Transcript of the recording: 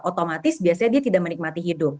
otomatis biasanya dia tidak menikmati hidup